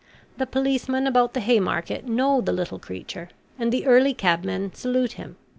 The policemen about the Haymarket know the little creature, and the early cabmen salute him.